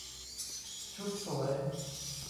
ชุดสวย